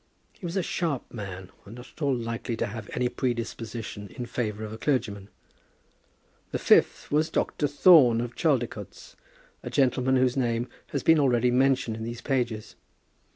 He was a sharp man, and not at all likely to have any predisposition in favour of a clergyman. The fifth was Dr. Thorne, of Chaldicotes, a gentleman whose name has been already mentioned in these pages.